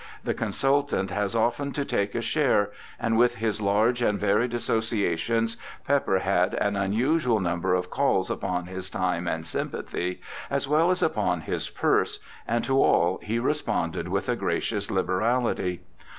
The consultant has often to take a share, and with his large and varied associations, Pepper had an unusual number of calls upon his time and sympathy, as well as upon his purse, and to all he responded with a gracious liberality.